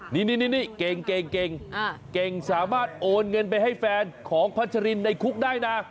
นี่เก่งเก่งสามารถโอนเงินไปให้แฟนของพัชรินในคุกได้นะ